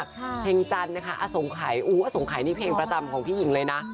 เพลงจันทร์นะคะอสงไขอสงขัยนี่เพลงประจำของพี่หญิงเลยนะ